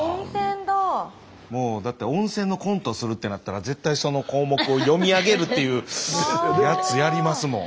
もうだって温泉のコントするってなったら絶対その項目を読み上げるっていうやつやりますもん。